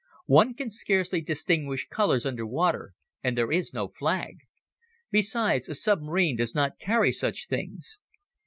One can scarcely distinguish colors under water and there is no flag. Besides a submarine does not carry such things.